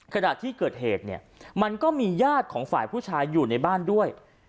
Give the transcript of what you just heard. ขณะที่เกิดเหตุเนี่ยมันก็มีญาติของฝ่ายผู้ชายอยู่ในบ้านด้วย